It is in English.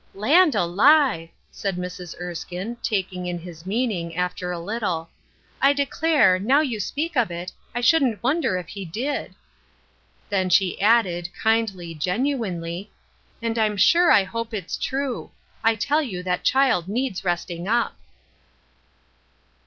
" Land alive !" said Mrs. Erskine, taking in his meaning, after a little, '' I declare, now you speak of it, I shouldn't wonder if he did.'' Then she added, kindly, genuinely :" And I'm sure I hope it's true ; I tell you that child needs resting up.